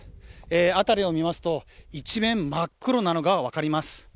辺りを見ますと一面真っ黒なのが分かります。